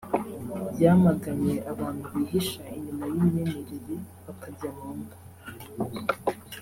yamaganye abantu bihisha inyuma y’imyemerere bakajya mu ngo